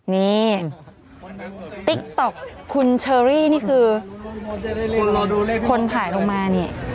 นี่ติ๊กต๊อกคุณเชอรี่นี่คือคนถ่ายลงมานี่